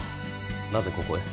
なぜここへ。